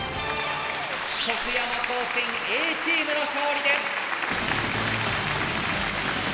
徳山高専Ａチームの勝利です。